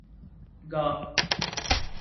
گا